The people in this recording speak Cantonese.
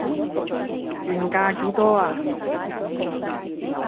原價幾多啊